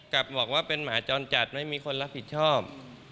กลับว่ามีเพื่อนหมาจ้อนจัดไม่มีคนรับผิดชอบ